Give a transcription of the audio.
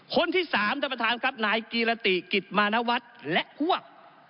คนที่สามท่านประธานครับนายกีรติกิจมานวัฒน์และพวก